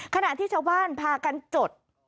ขณะที่ชาวบ้านพากันจด